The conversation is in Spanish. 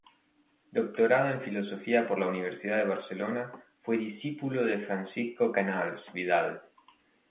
Doctorado en Filosofía por la Universidad de Barcelona, Fue discípulo de Francisco Canals Vidal.